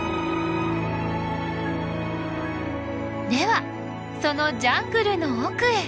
ではそのジャングルの奥へ。